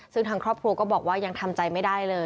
ซึ่งทางครอบครัวก็บอกว่ายังทำใจไม่ได้เลย